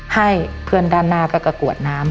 ให้เพื่อนด้านหน้าก็กระกวดน้ำ